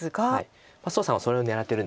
蘇さんはそれを狙ってるんです。